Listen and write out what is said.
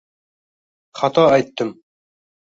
xato aytdim